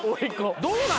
どうなん？